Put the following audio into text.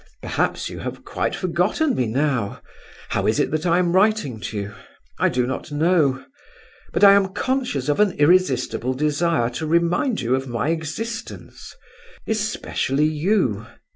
Perhaps you have quite forgotten me now! How is it that I am writing to you? I do not know; but I am conscious of an irresistible desire to remind you of my existence, especially you.